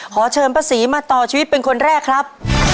ขอเชิญป้าศรีมาต่อชีวิตเป็นคนแรกครับ